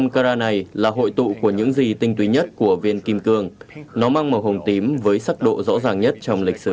một trăm cara này là hội tụ của những gì tinh túy nhất của viên kim cương nó mang màu hồng tím với sắc độ rõ ràng nhất trong lịch sử